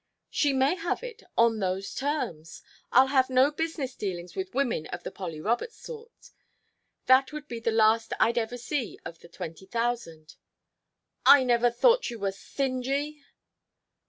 "She may have it on those terms. I'll have no business dealings with women of the Polly Roberts sort. That would be the last I'd ever see of the twenty thousand " "I never thought you were stingy!"